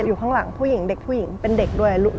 อยู่ข้างหลังผู้หญิงเด็กผู้หญิงเป็นเด็กด้วย